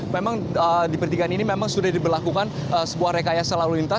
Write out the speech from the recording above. memang di pertigaan ini memang sudah diberlakukan sebuah rekayasa lalu lintas